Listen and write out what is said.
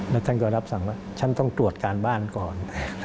แล้วท่านก็รับสั่งว่าฉันต้องตรวจการบ้านก่อน